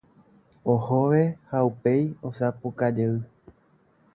Ohove ha upéi osapukajey.